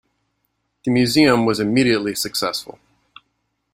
The Museum was immediately successful.